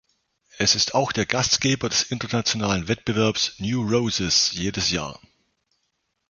Es ist auch der Gastgeber des internationalen Wettbewerbs „New Roses“ jedes Jahr.